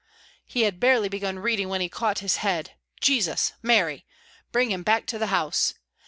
He had barely begun reading when he caught his head: 'Jesus, Mary! bring him back to the house!'